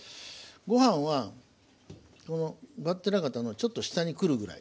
ご飯はこの上っ面方のちょっと下に来るぐらい。